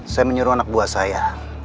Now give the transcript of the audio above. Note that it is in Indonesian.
saya menyuruh anak buah saya